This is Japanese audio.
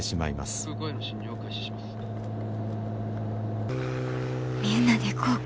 心の声みんなで合格。